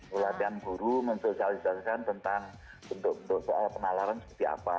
pelatihan guru memfosialisasikan tentang soal penalaran seperti apa